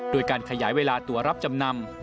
โดยการขยายเวลาตัวรับจำนำ